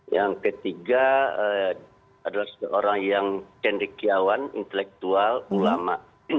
yang ketiga adalah seorang yang cendekiawan intelektual ulama